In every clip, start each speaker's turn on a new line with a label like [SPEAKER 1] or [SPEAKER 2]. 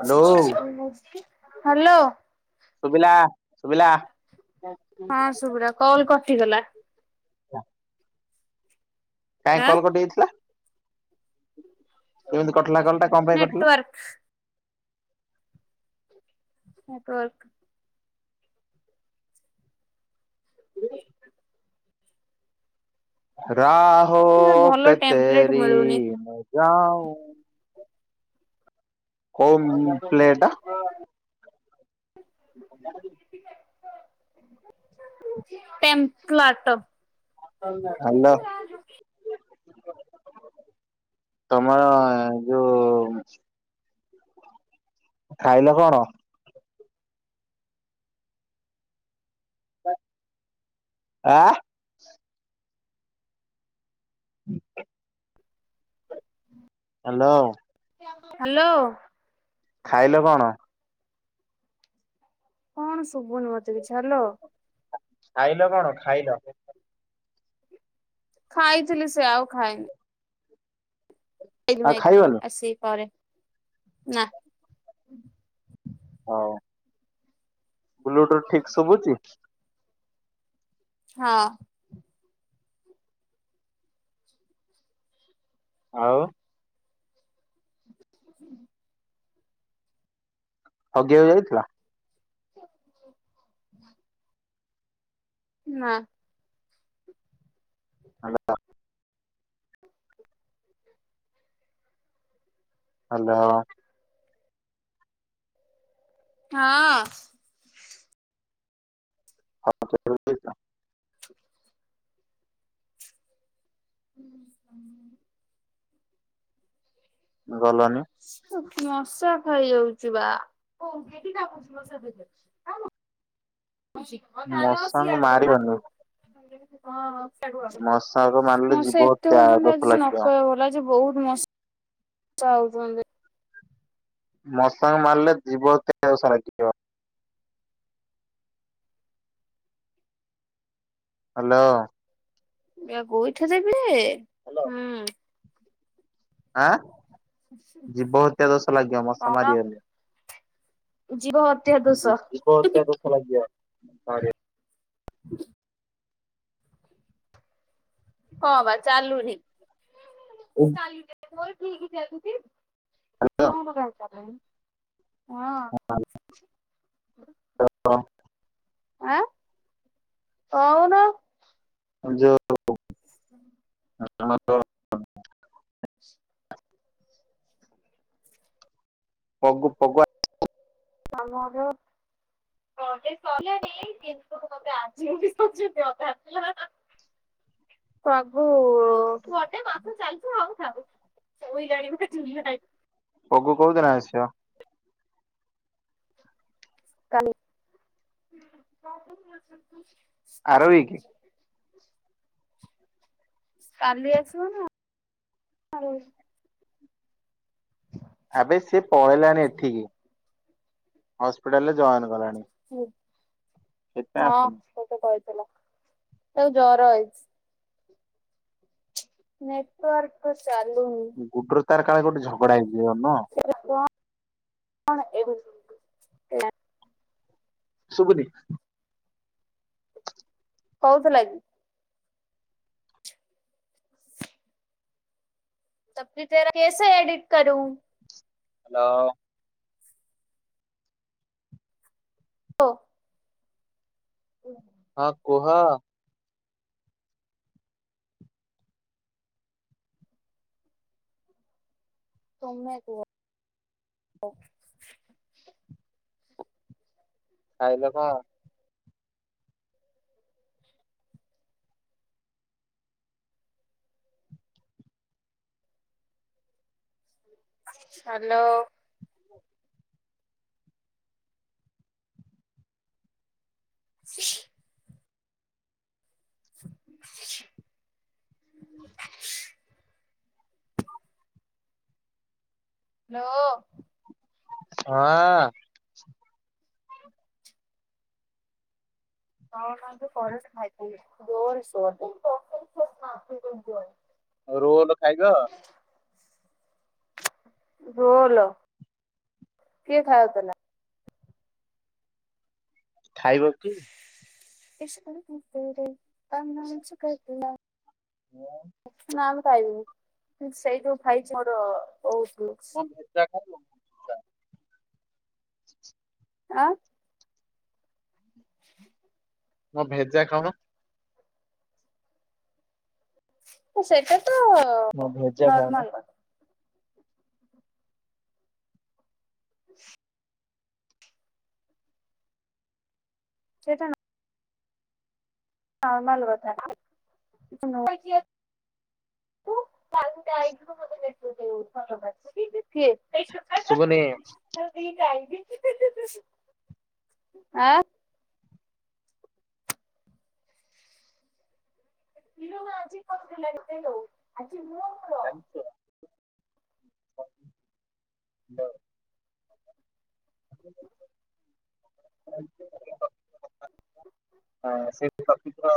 [SPEAKER 1] Hello
[SPEAKER 2] hello
[SPEAKER 1] ସୁଭିଲା ସୁଭିଲା?
[SPEAKER 2] ହଁ ସୁବିରା କଲ୍ କଟିଗଲା।
[SPEAKER 1] ହ କାଇଁ କଲ୍ କଟି ଯାଇଥିଲା? କେମିତି କଟିଲା କଲଟା କଁ ପାଇଁ କଟିଲା?
[SPEAKER 2] ହେତ୍ ନେଟୱର୍କ
[SPEAKER 1] ରାହୋ ପେ
[SPEAKER 2] ଭଲ ଟେମ୍ପଲେଟ
[SPEAKER 1] ତେରି
[SPEAKER 2] ମିଳୁନି
[SPEAKER 1] ମେଁ ଯାଉଁ କୋଉ ପ୍ଲେ ଟା?
[SPEAKER 2] ଟେମ୍ପ୍ଲଟୋ
[SPEAKER 1] ହାଲୋ ତମର ଯୋଉ ଖାଇଲ କଣ? ଆଁ [inaudible] ହ୍ୟାଲୋ
[SPEAKER 2] ହ୍ୟାଲୋ
[SPEAKER 1] ଖାଇଲ କଣ?
[SPEAKER 2] କଣ ଶୁଭୁନି ମତେ କିଛି? ହାଲୋ।
[SPEAKER 1] ଖାଇଲ କଣ ଖାଇଲ?
[SPEAKER 2] ଖାଇଥିଲି ସେ ଆଉ ଖାଇନି।
[SPEAKER 1] ଆଉ
[SPEAKER 2] [unintelligible]
[SPEAKER 1] ଖାଇବନି
[SPEAKER 2] ଆସିବି ପରେ ନା।
[SPEAKER 1] ହଉ। ବ୍ଲୁଟୁଥ ଠିକ୍ ଶୁବୁଚି?
[SPEAKER 2] ହଁ।
[SPEAKER 1] ଆଉ
[SPEAKER 2] ହୁଁ।
[SPEAKER 1] ଆଉ ଜିଅ ଯାଇଥିଲା?
[SPEAKER 2] ନା।
[SPEAKER 1] ହାଲୋ। ହାଲୋ।
[SPEAKER 2] ହଁ।
[SPEAKER 1] [unintelligible]
[SPEAKER 2] ହୁଁ ହଁ।
[SPEAKER 1] ଗଲନି।
[SPEAKER 2] ମଶା ଖାଇଯାଉଚି ବା।
[SPEAKER 1] ମଶାଙ୍କୁ ମାରିବନି
[SPEAKER 2] [unintelligible] ମଉସା ଏତେ ଓଜନ ଆଜି
[SPEAKER 1] ମଶାଙ୍କୁ ମାରିଲେ
[SPEAKER 2] ନ
[SPEAKER 1] ଜୀବ
[SPEAKER 2] କଇବା
[SPEAKER 1] ହତ୍ୟା ଦୋଷ
[SPEAKER 2] ଭଲ
[SPEAKER 1] ଲାଗିବ
[SPEAKER 2] ଆଜି ବହୁ [unintelligible] ଚାଉଚନ୍ତି।
[SPEAKER 1] ମଶା କୁ ମାରିଲେ ଜୀବ ହତ୍ୟା ଦୋଷ ଲାଗିବ। ହାଲୋ।
[SPEAKER 2] ଏ ଗୋଇଠା ଦେବେ ଏ ହୁଁ।
[SPEAKER 1] ଆଁ ଜୀବ ହତ୍ୟା ଦୋଷ ଲାଗିବ ମଶା
[SPEAKER 2] କଣ
[SPEAKER 1] ମାରିଗଲେ।
[SPEAKER 2] ଜୀବ ଦୋଷ
[SPEAKER 1] ଜୀ-ଜୀବ ହତ୍ୟା ଦୋଷ ଲାଗିବ [unintelligible]
[SPEAKER 2] ହ [inaudible] ହଁ ବା ଚାଲୁନି ମୋର କାଇଁ ଚାଲୁନି ହଁ
[SPEAKER 1] ହ [unintelligible]
[SPEAKER 2] ଆଁ କହୁନୁ?
[SPEAKER 1] ଆ ଯୋଉ
[SPEAKER 2] ହୁଁ
[SPEAKER 1] ହ [unintelligible] ପଗୁ ପଗୁଆ
[SPEAKER 2] ତମର ହଁ ସେ କଲେଣି କିୁନ୍ତୁ ମତେ ଆଜି ହିଁ କହହୁଚନ୍ତି ଅଧାରୁ ହା ହା।
[SPEAKER 1] [inaudible]
[SPEAKER 2] ପ୍ରଭୁୁ ଗଟେ ମାସ ଚାଲିଛି ହଉଥାଉ ଉଇ ଗାଡିଭଳିଆ ଚୁଲା
[SPEAKER 1] ପଗୁ କୋଉଦିନ ଆସିବ?
[SPEAKER 2] କାଲି
[SPEAKER 1] ଆର ୱିକ
[SPEAKER 2] କାଲି ଆସିବ ନା ଆର ୱି [inaudible]
[SPEAKER 1] ଆବେ ସିଏ ପଳେଇଲାଣି ଏଠିକି ହସ୍ପିଟାଲରେ ଜଏନ କଲାଣି। ସେଥିପାଇଁ
[SPEAKER 2] ହଁ
[SPEAKER 1] ଆସିନି।
[SPEAKER 2] ସେତ କହିଥିଲା ତାକୁ ଜର ହେଇଛି। ନେଟୱର୍କ ଚାଲୁନି।
[SPEAKER 1] ଗୁଡୁର ତାର କାଳେ କୋଉଠି ଝଗଡା ହେଇଥିବା ନୁହୁ
[SPEAKER 2] ଏ କଣ ଏ [unintelligible]
[SPEAKER 1] ସୁବୁନି?
[SPEAKER 2] କହୁଥିଲା କି ତ ଫିର ତେରା କସେ ଏଡିଟ କରୁ?
[SPEAKER 1] ହ୍ୟାଲୋ
[SPEAKER 2] ହଁ। ଓୁ।
[SPEAKER 1] ହଁ କୁହ?
[SPEAKER 2] ତୁମେ କୁହ?
[SPEAKER 1] ଖାଇଲେ କଣ?
[SPEAKER 2] [unintelligible] [inaudible] [inaudible] ନକୋ।
[SPEAKER 1] ହଁ।
[SPEAKER 2] ହଁ କରେଣ୍ଟ ଫାରେଷ୍ଟ ଜୋରେ ଶୁଅନ୍ତା।
[SPEAKER 1] ରୋଲ ଖାଇବ?
[SPEAKER 2] ରୋଲ କିଏ ଖାଇାଉ ଥିଲା?
[SPEAKER 1] ଖାଇବ କି?
[SPEAKER 2] [unintelligible] [unintelligible] ସେଇ ଯୋଉ ଭାଇଚି ମୋର [unintelligible]
[SPEAKER 1] [unintelligible]
[SPEAKER 2] ଆଁ [unintelligible]
[SPEAKER 1] ମଁ ଭେଜା ଖାଉନ?
[SPEAKER 2] ସେଇଟା ତ
[SPEAKER 1] ମୁଁ ଭଜା
[SPEAKER 2] ନର୍ମାଲ
[SPEAKER 1] ଖାଏନ?
[SPEAKER 2] କଥା [inaudible] ସେଟା ନାଁ ହଁ ନର୍ମାଲ ଭଜା। [unintelligible]
[SPEAKER 1] ସୁଭୁନି।
[SPEAKER 2] ତାର ଦିଟା ଆଇଡି। ଆ ଇଲୋ ମା ଆଜି କରଥିଲେଲୋ [unintelligible]
[SPEAKER 1] ଜାଣିଛ। ହଁ। ଆ [inaudible] ହ ସେଇଠି ରଖିଦିଅ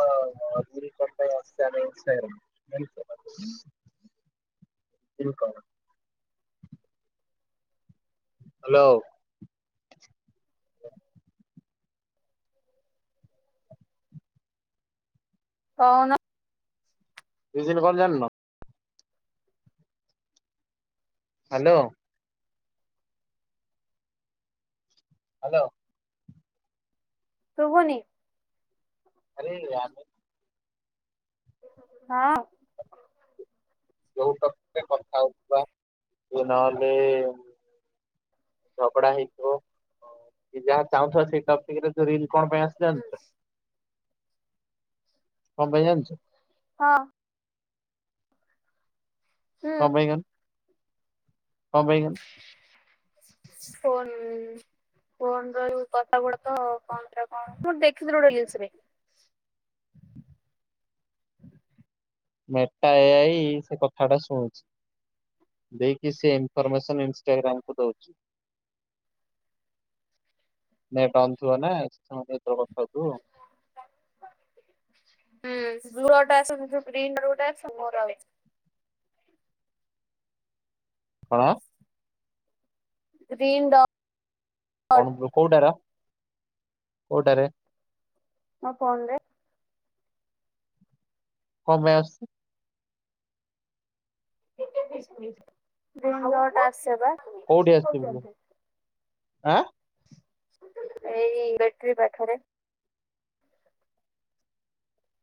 [SPEAKER 1] [unintelligible] [unintelligible] ଇଏ କଣ? ହାଲୋ।
[SPEAKER 2] କହୁନ?
[SPEAKER 1] ସିଜିନ୍ କଣ ଯାନ୍ ନ? ହାଲୋ। ହାଲୋ।
[SPEAKER 2] ଶୁଭୁନି?
[SPEAKER 1] ଆରେ ୟାର୍
[SPEAKER 2] ହଁ।
[SPEAKER 1] ଯୋଉ ଟପିକ୍ କଥା ହୋଉଥିଲ? ସେ ନହେଲେ ଝଗଡ଼ା ହେଇଥିବ, କି ଯାହା ଚାହୁଁଥିବ ସେଇ ଟପିକ୍ ରେ ରିିଲ୍ କଣ ପାଇଁ ଆସେ ଜାଣିଚ କଣ ପାଇଁ ଜାଣିଚ?
[SPEAKER 2] ହଁ।
[SPEAKER 1] [unintelligible] କଣ ପାଇଁକା?
[SPEAKER 2] ଫୋନ୍ ଫୋନ୍ ର ଯୋଉ କଥା ଗୁଡ଼ାକ କଣ ଥା କଣ? ମୁଁ ଦେଖିଥିଲି ଗୋଟେ ରିଲସ୍ ରେ।
[SPEAKER 1] ମେଟା ଏ ଆଇ ସେ କଥା ଟା ଶୁଣୁଛି। ଦେଇକି ସେ ଇନ୍ଫର୍ମେସନ ଇମ୍ସ ଚେରି ଟା ଆମକୁ ଦଉଛି। ନେଟ୍ ଅନ୍ ଥିବ ନା, କିଛି ସମୟ ପାଇଁ କୁଆଡେ କଥା ହଉଥୁବୁ। [unintelligible]
[SPEAKER 2] ହୁଁ, ଦୂରଟା ସେ ଯୋଉ ପ୍ରିଣ୍ଡୋର ଗୋଟେ ଆସେ [unintelligible]
[SPEAKER 1] କଣ?
[SPEAKER 2] ରିଣ୍ଡୋ
[SPEAKER 1] କଣ ବ୍ରୋ କୋଉଟାର? କୋଉଟାରେ?
[SPEAKER 2] ମୋ ଫୋନ୍ ରେ।
[SPEAKER 1] କଣ ପାଇଁ ଆସଛି?
[SPEAKER 2] ଗ୍ରୀନ୍ ଡଟ୍ ଆସେ ବା।
[SPEAKER 1] କୋଉଠି ଆସିବୁ କୁହ? ଆଁ,
[SPEAKER 2] ଏଇ ବେଟ୍ରି ପାଖରେ।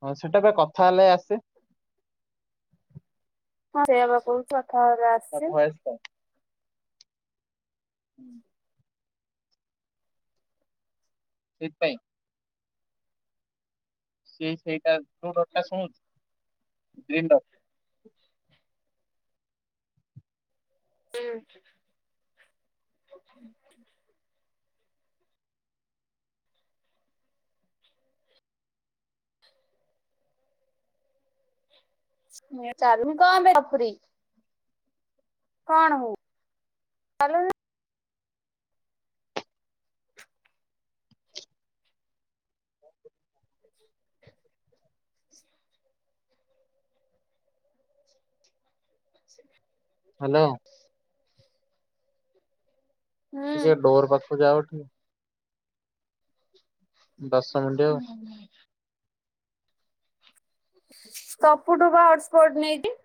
[SPEAKER 1] ହଁ ସେଟା ପା କଥା ହେଲେ ଆସେ।
[SPEAKER 2] ହଁ ସେଇଆ ପା କହୁଚି କଥା ହେଲେ ଆସ
[SPEAKER 1] ତା ଭାଏସ୍ ହୁଁ। ସେଇଥିପାଇଁ। ସେଇ ସେଇଟାଉ ତୋ କଥା ଶୁଣୁଛି ଗ୍ରୀନଡ।
[SPEAKER 2] ଉଁ, ମୁଁ ଏ ଚାରୁ କଣ ପାଇଁ ଗଫୁରି? କଣ ହଉ? [unintelligible]
[SPEAKER 1] ହ୍ୟାଲୋ।
[SPEAKER 2] ହୁଁ।
[SPEAKER 1] ଟିକେ ଡୋର୍ ପାଖକୁ ଯାଅଠି। ଦଶ ମିନିଟ ଆଉ
[SPEAKER 2] [inaudible] ତପୁ ଠୁ ପା ହଟସ୍ପଟ ନେଇଚି।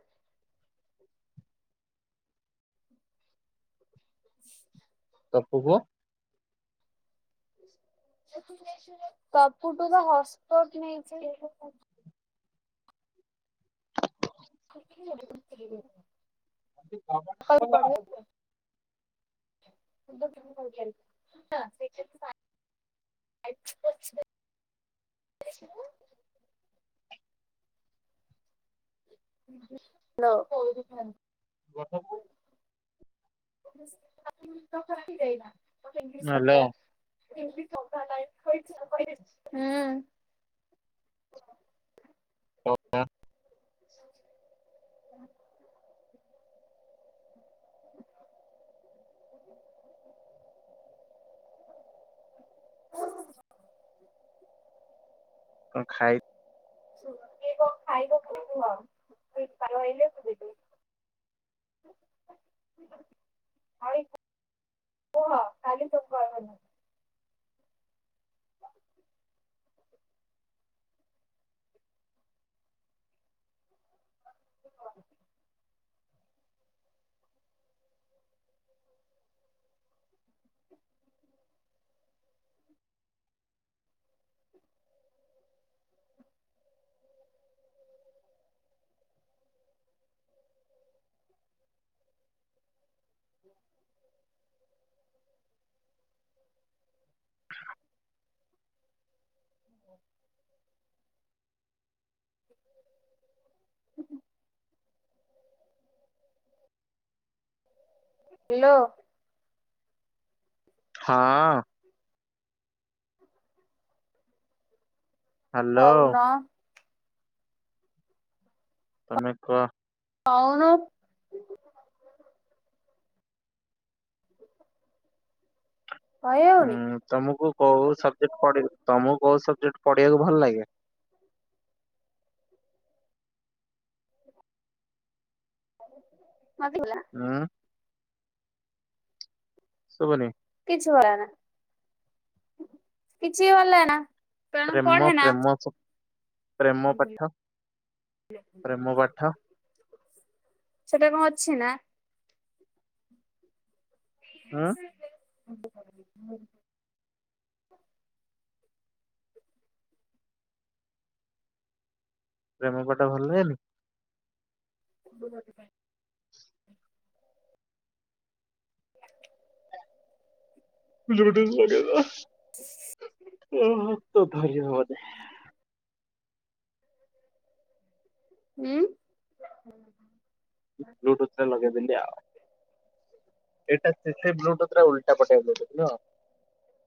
[SPEAKER 1] ତପୁ ପୁଅ
[SPEAKER 2] ତପୁ ଠୁ ପା ହସପଟ୍ ନେଇଛି। [unintelligible] ସକାଳୁ
[SPEAKER 1] [unintelligible]
[SPEAKER 2] ପଢିବାକୁ। [unintelligible] ଏ ଦେଖିବୁ ଆ। ଲୋ
[SPEAKER 1] ଗଛକୁ
[SPEAKER 2] [unintelligible]
[SPEAKER 1] ହ୍ୟାଲୋ
[SPEAKER 2] ହୁଁ।
[SPEAKER 1] କଥା
[SPEAKER 2] [inaudible]
[SPEAKER 1] [inaudible]
[SPEAKER 2] [inaudible]
[SPEAKER 1] କଣ ଖାଇ
[SPEAKER 2] ଶୁଣ କିଏ କଣ ଖାଇବା କିଏ କୁହ ଇ ସାଙ୍ଗ ଆଇଲେ ମୁଁ ଯିବି।
[SPEAKER 1] [inaudible]
[SPEAKER 2] [unintelligible] କୁହ କାଲି [unintelligible] [inaudible]
[SPEAKER 1] [inaudible]
[SPEAKER 2] [inaudible] [inaudible] ହାଲୋ।
[SPEAKER 1] ହଁ। ହ୍ୟାଲୋ
[SPEAKER 2] କହୁନ।
[SPEAKER 1] ତମେ କୁହ
[SPEAKER 2] କହୁନୁ କହି ହେଉନି।
[SPEAKER 1] ଉଁ ତମକୁ କୋଉ ସବଜେକ୍ଟ ତମକୁ କୋଉ ସବଜେକ୍ଟ ପଢ଼ିବାକୁ ଭଲ ଲାଗେ।
[SPEAKER 2] [unintelligible]
[SPEAKER 1] ହଁ। ସୁବୁନି।
[SPEAKER 2] କିଛି ଭଲନା ନା କିଛି ବି ଭଲାଗେ ନା। ତେଣୁ
[SPEAKER 1] ପ୍ରେମ
[SPEAKER 2] ପଢେ ନା।
[SPEAKER 1] ପ୍ରେମ ପ୍ରେମ ସ ପାଠ ପ୍ରେମ ପାଠ।
[SPEAKER 2] ସେଟା କଣ ଅଛି ନା?
[SPEAKER 1] ହୁଁ
[SPEAKER 2] [unintelligible]
[SPEAKER 1] ପ୍ରେମ ପାଠ ଭଲ ଲାଗେନି।
[SPEAKER 2] [unintelligible]
[SPEAKER 1] ଲୁଟସ ବଗେରା।
[SPEAKER 2] [inaudible]
[SPEAKER 1] ଓ ତ ଭାରି ହ।
[SPEAKER 2] ଉଁ [inaudible]
[SPEAKER 1] ବ୍ଲୁଟୁଥ୍ ଟା ଲଗେଇଦେଲି ଆଉ। ଏଟା ଯେତେ ବ୍ଲୁଟୁଥ୍ ର ଉଲ୍ଟା ପଶେଇ ଦଉଚନ୍ତି ନୁହଁ?